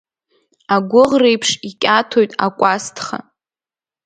Агәыӷреиԥш икьаҭоит акәасҭха…